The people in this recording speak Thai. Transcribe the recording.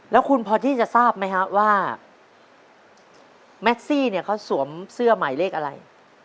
แล้วคุณพอที่จะทราบไหมฮะว่าแม็กซี่เนี่ยเขาสวมเสื้อหมายเลขอะไร